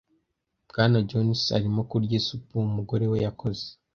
Bwana Jones arimo kurya isupu umugore we yakoze.